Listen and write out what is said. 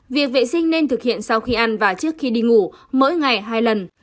việc vệ sinh nên thực hiện sau khi ăn và trước khi đi ngủ mỗi ngày hai lần